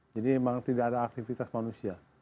jadi memang tidak ada aktivitas manusia